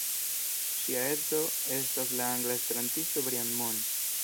Ŝia edzo estas la angla esperantisto Brian Moon.